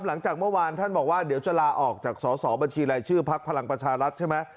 หลังจากเมื่อวานท่านบอกว่าเดี๋ยวจะลาออกจากสอสอบัญชีรายชื่อพักพลังประชารัฐใช่ไหม